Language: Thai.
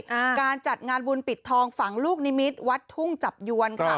การจัดงานบุญปิดทองฝังลูกนิมิตรวัดทุ่งจับยวนค่ะ